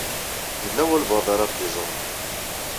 Yella walebɛaḍ ara ɣ-d-iẓṛen.